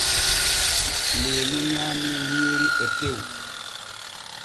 Leemu nyaamii nyiiri e tew.